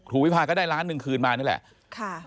ถูวิพาทก็ได้๑๐๐๐๐๐๐บาทคืนมานี่แหละ